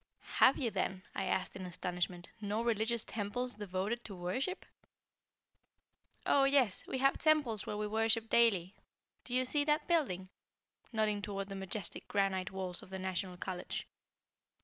"Have you, then," I asked in astonishment, "no religious temples devoted to worship?" "Oh, yes, we have temples where we worship daily. Do you see that building?" nodding toward the majestic granite walls of the National College.